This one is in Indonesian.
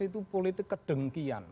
itu politik kedengkian